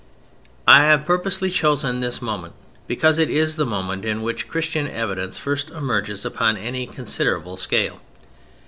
I have purposely chosen this moment, because it is the moment in which Christian evidence first emerges upon any considerable scale.